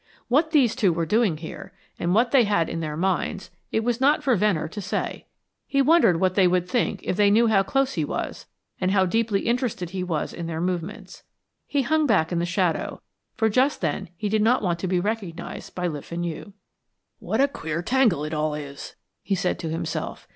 What these two were doing here, and what they had in their minds, it was not for Venner to say. He wondered what they would think if they knew how close he was, and how deeply interested he was in their movements. He hung back in the shadow, for just then he did not want to be recognised by Le Fenu. "What a queer tangle it all is," he said to himself.